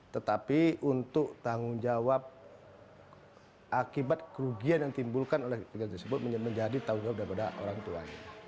tetapi untuk tanggung jawab akibat kerugian yang timbulkan oleh orang tua tersebut menjadi tanggung jawab daripada orang tua